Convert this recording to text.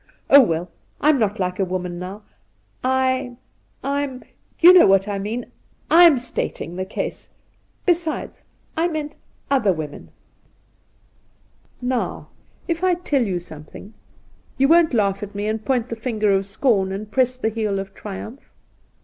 Oh, well, I'm not like a woman now. I'm — you know what I mean — I'm stating the case. Besides, I meant other women.' ' Now, if I tell you something, you won't laugh at me and point the finger of scorn and press the heel of triumph